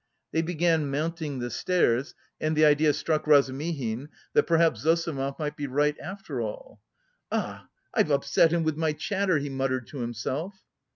They began mounting the stairs, and the idea struck Razumihin that perhaps Zossimov might be right after all. "Ah, I've upset him with my chatter!" he muttered to himself.